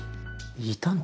いたの？